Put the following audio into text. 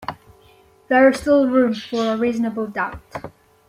There is still room for a reasonable doubt.